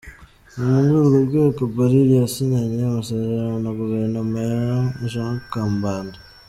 Ni muri urwo rwego Barril yasinyanye amasezerano na Guverinoma ya Jean Kambanda.